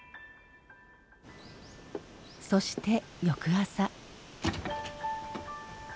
そして翌朝。